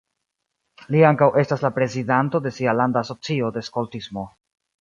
Li ankaŭ estas la prezidanto de sia landa asocio de skoltismo.